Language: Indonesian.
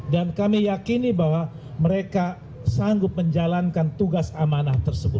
dan kami yakini bahwa mereka sanggup menjalankan tugas amanah tersebut